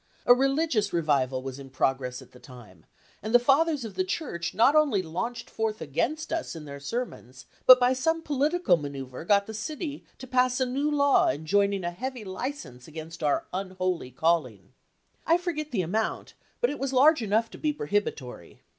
A religious revival was in progress at the time, and the fathers of the church not only launched forth against us in their sermons, but by some political manceuver got the city to pass a new law enjoining a heavy license against our un holy" calling. I forget the amount, but it was large enough to be prohibitory.